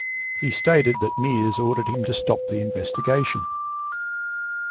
He stated that Miers ordered him to stop the investigation.